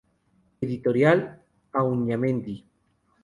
Editorial: Auñamendi.